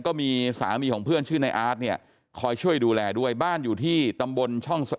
ก็มีสามีของเพื่อนชื่อในอาร์ตเนี่ยคอยช่วยดูแลด้วยบ้านอยู่ที่ตำบลช่อง